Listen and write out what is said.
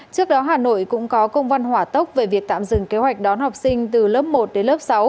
trước đó hà nội cũng có công văn hỏa tốc về việc tạm dừng kế hoạch đón học sinh từ lớp một đến lớp sáu